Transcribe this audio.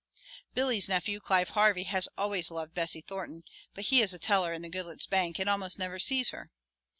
Billy's nephew, Clive Harvey, has always loved Bessie Thornton, but he is teller in the Goodloets bank and almost never sees her.